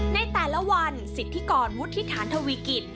ในแต่ละวันสิทธิกรวุฒิฐานทวีกิจ